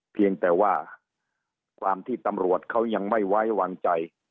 เพียงแต่ว่าความที่ตำรวจเขายังไม่ไว้วางใจ